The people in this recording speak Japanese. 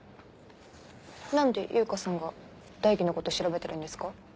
何で悠香さんが大輝のこと調べてるんですか？